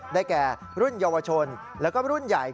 แก่รุ่นเยาวชนแล้วก็รุ่นใหญ่